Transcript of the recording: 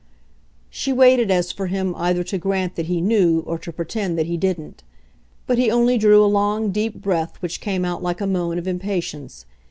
She waited as for him either to grant that he knew or to pretend that he didn't; but he only drew a long deep breath which came out like a moan of impatience.